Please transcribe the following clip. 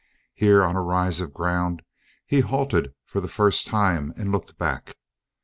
Here, on a rise of ground, he halted for the first time and looked back.